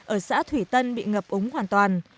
ở xã thủy tân bị ngập ống hoàn toàn